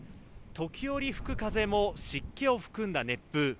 時折吹く風も、湿気を含んだ熱風。